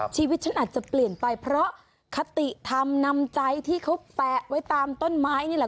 ชีวิตฉันอาจจะเปลี่ยนไปเพราะคติธรรมนำใจที่เขาแปะไว้ตามต้นไม้นี่แหละ